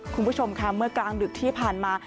คุณผู้ชมค่ะเมื่อกลางดึกที่ผ่านมา